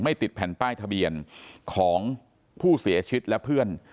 ติดแผ่นป้ายทะเบียนของผู้เสียชีวิตและเพื่อน